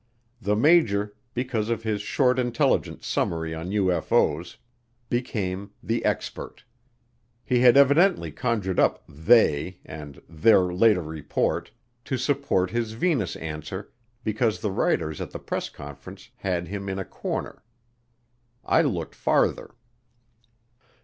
The major, because of his short intelligence summary on UFO's, became the "expert." He had evidently conjured up "they" and "their later report" to support his Venus answer because the writers at the press conference had him in a corner. I looked farther.